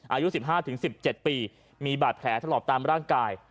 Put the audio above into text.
อายุสิบห้าถึงสิบเจ็ดปีมีบาดแผลตลอบตามร่างกาย